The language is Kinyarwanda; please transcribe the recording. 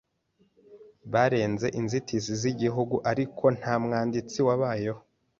barenze inzitizi z’igihugu ariko nta mwanditsi wabayeho